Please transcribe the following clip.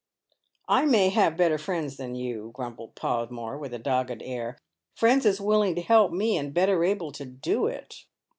"I may have better friends than you," grumbles Podmore, with a dogged air, — "friends as willing to help me, and better able to do it."